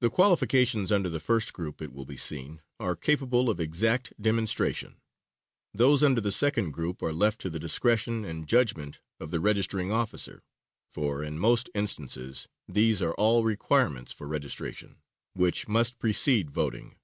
The qualifications under the first group it will be seen, are capable of exact demonstration; those under the second group are left to the discretion and judgment of the registering officer for in most instances these are all requirements for registration, which must precede voting.